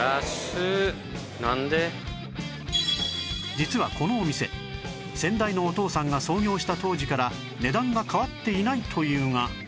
実はこのお店先代のお父さんが創業した当時から値段が変わっていないというが